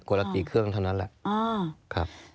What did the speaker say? กว่าละกี่เครื่องเท่านั้นแหละ